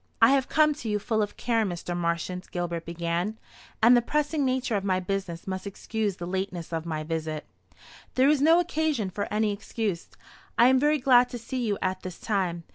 "I have come to you full of care, Mr. Marchant," Gilbert began; "and the pressing nature of my business must excuse the lateness of my visit." "There is no occasion for any excuse. I am very glad to see you at this time.